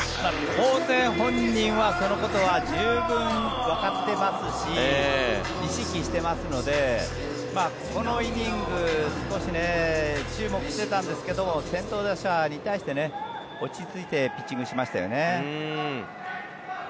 当然、本人はそのことは十分わかってますし意識してますのでこのイニング少し注目してたんですけど先頭打者に対して落ち着いてピッチングしましたよね。